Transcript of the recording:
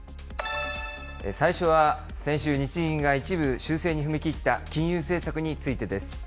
最初は先週、日銀が一部修正に踏み切った金融政策についてです。